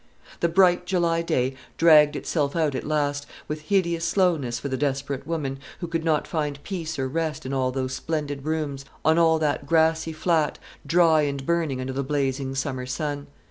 The bright July day dragged itself out at last, with hideous slowness for the desperate woman, who could not find peace or rest in all those splendid rooms, on all that grassy flat, dry and burning under the blazing summer sun.